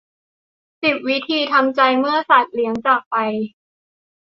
สิบ วิธีทำใจเมื่อสัตว์เลี้ยงจากไป